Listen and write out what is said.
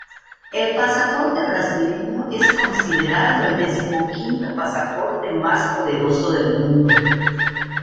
El pasaporte brasileño es considerado el decimoquinto pasaporte más poderoso del mundo.